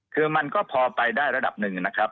คือมันก็พอไปได้ระดับหนึ่งนะครับ